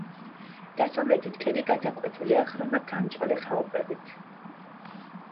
დასავლეთით ქედი გადაკვეთილია ღრმა გამჭოლი ხეობებით.